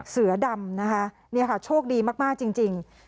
เสือดำนะคะนี่ค่ะโชคดีมากจริง